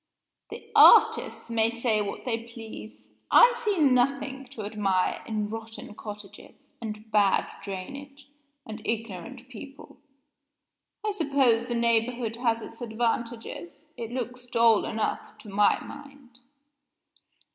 "The artists may say what they please; I see nothing to admire in rotten cottages, and bad drainage, and ignorant people. I suppose the neighborhood has its advantages. It looks dull enough, to my mind."